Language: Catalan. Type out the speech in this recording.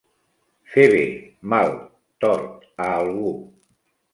Fer bé, mal, tort, a algú.